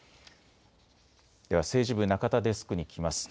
では政治部、中田デスクに聞きます。